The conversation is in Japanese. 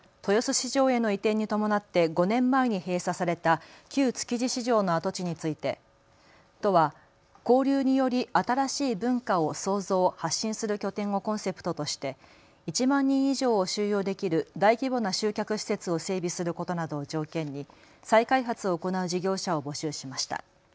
市場への移転に伴って５年前に閉鎖された旧築地市場の跡地について都は交流により新しい文化を創造・発信する拠点をコンセプトとして１万人以上を収容できる大規模な集客施設を整備することなどを条件に再開発を行う事業者を募集しました。